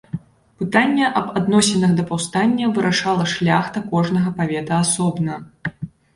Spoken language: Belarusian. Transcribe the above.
Пытанне аб адносінах да паўстання вырашала шляхта кожнага павета асобна.